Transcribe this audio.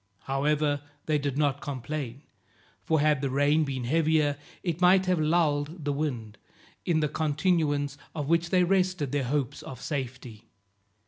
However, they did not complain, for had the rain been heavier, it might have lulled the wind, in the continuance of which they rested their hopes of safety.